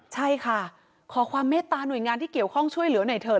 ใช่ค่ะขอความเมตตาหน่วยงานที่เกี่ยวข้องช่วยเหลือหน่อยเถอ